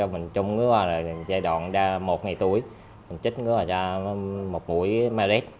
mình trung nữa là giai đoạn ra một ngày tuổi mình chích nữa là ra một mũi maret